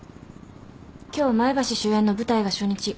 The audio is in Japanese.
今日前橋主演の舞台が初日。